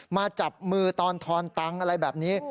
มาจับมือตอนทอนตังค์อะไรแบบนี้